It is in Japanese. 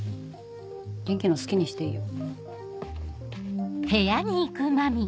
元気の好きにしていいよ。